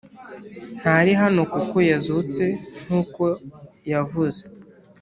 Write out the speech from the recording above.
Ntari hano kuko yazutse nk’uko yavuze